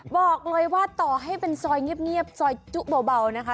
บอกเลยว่าต่อให้เป็นซอยเงียบซอยจุเบานะคะ